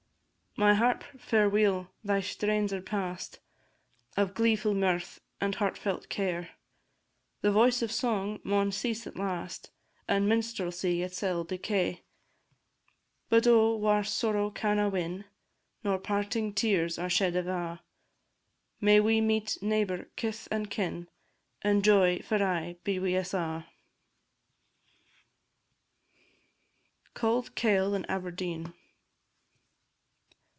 My harp, fareweel! thy strains are past, Of gleefu' mirth, and heartfelt care; The voice of song maun cease at last, And minstrelsy itsel' decay. But, oh! whar sorrow canna win, Nor parting tears are shed ava', May we meet neighbour, kith, and kin, And joy for aye be wi' us a'! CAULD KAIL IN ABERDEEN.